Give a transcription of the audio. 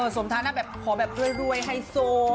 สมธารณะขอแบบรวยให้โซ